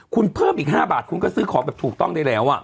คุณเพิ่มอีก๕บาทคุณก็ซื้อของแบบถูกต้องได้แล้ว